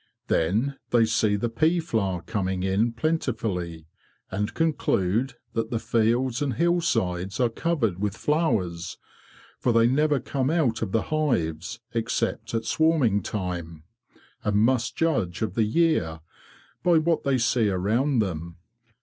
Then they see the pea flour coming in plentifully, and conclude that the fields and hillsides are covered with flowers; for they never come out of the hives except at swarming time, and must judge of the year by what they see around them.